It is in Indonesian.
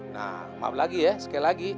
nah maaf lagi ya sekali lagi